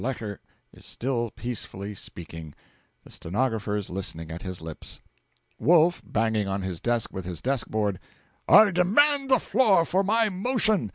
Lecher is still peacefully speaking, the stenographers listening at his lips.) Wolf (banging on his desk with his desk board). 'I demand the floor for my motion!